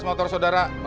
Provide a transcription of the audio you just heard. bapak bisa mencoba